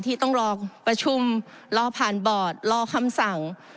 ที่ต้องรอประชุมรอผ่านบอร์ดรอคำสั่ง